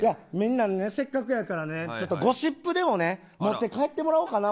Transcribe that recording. せっかくやから、ゴシップでも聞いて帰ってもらおうかなと。